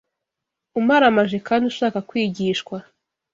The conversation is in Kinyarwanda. umaramaje kandi ushaka kwigishwa